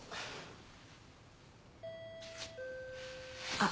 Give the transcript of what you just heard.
・・あっ。